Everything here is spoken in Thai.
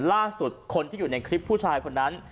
ล่าสุดคนที่อยู่ในคลิปผู้ชายคนนั้น